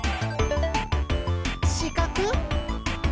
しかく！